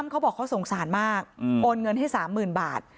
ซ้ำเขาบอกเขาสงสารมากอืมโอนเงินให้สามหมื่นบาท